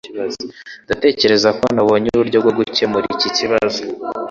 Ndatekereza ko nabonye uburyo bwo gukemura iki kibazo